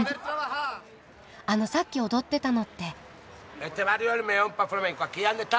あのさっき踊ってたのって？